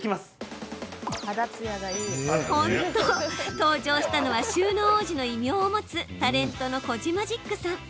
登場したのは収納王子の異名を持つタレントのコジマジックさん。